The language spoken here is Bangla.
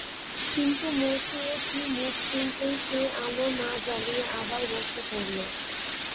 কিন্তু মঁসিয়ে জি মুখ খুলতেই সে আলো না জ্বলিয়ে আবার বসে পড়ল।